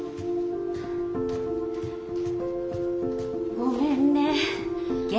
ごめんね。